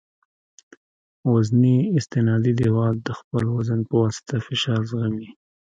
وزني استنادي دیوال د خپل وزن په واسطه فشار زغمي